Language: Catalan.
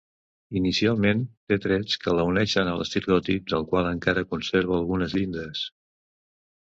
Inicialment té trets que la uneixen a l'estil gòtic, del qual encara conserva algunes llindes.